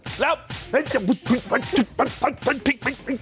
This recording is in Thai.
โอ้โหเอ้าขออีกทีขออีกทีดูอีกทีเซ็นอันนึง